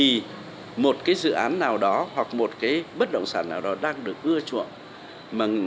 vì một cái dự án nào đó hoặc một cái bất động sản nào đó đang được ưa chuộng